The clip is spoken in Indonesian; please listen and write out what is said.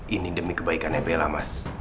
ini demi kebaikannya bella mas